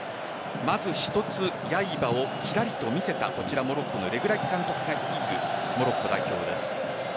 一つ、刃をキラリと見せたモロッコのレグラギ監督が率いるモロッコ代表です。